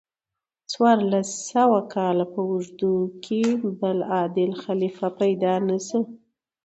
څوارلس سوو کالو په اوږدو کې بل عادل خلیفه پیدا نشو.